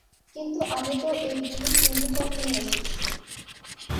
কিন্তু আমি তো এই পুলিশ ইউনিফর্ম নিয়ে এসেছি।